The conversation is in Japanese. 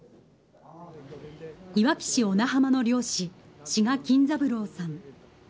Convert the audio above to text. いわき市小名浜の漁師、志賀金三郎さん。